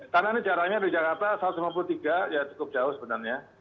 karena ini jaraknya di jakarta satu ratus lima puluh tiga ya cukup jauh sebenarnya